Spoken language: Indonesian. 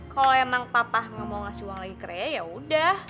kalo emang papa gak mau ngasih uang lagi ke raya yaudah